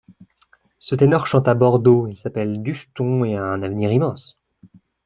Ce ténor chante à Bordeaux… il s’appelle Dujeton et a un avenir immense…